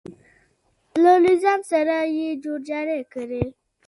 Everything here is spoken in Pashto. له نظام سره یې جوړ جاړی کړی.